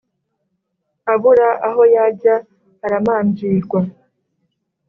Abura aho yajya aramanjirwa